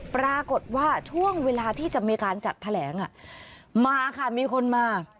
ปรากฏว่าช่วงเวลาที่จะมีการจัดแถลงมาค่ะมีคนมา